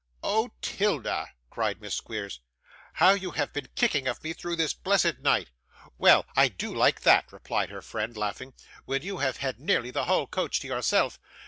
'Oh, 'Tilda!' cried Miss Squeers, 'how you have been kicking of me through this blessed night!' 'Well, I do like that,' replied her friend, laughing, 'when you have had nearly the whole coach to yourself.